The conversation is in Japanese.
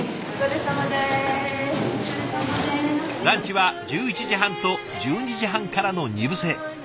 ランチは１１時半と１２時半からの２部制。